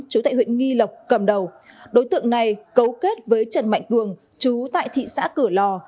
chú tại huyện nghi lộc cầm đầu đối tượng này cấu kết với trần mạnh cường chú tại thị xã cửa lò